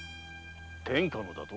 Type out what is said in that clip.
天下のだと？